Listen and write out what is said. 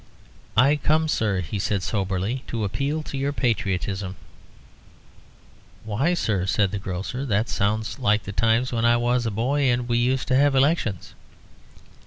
"I come, sir," he said soberly, "to appeal to your patriotism." "Why, sir," said the grocer, "that sounds like the times when I was a boy and we used to have elections."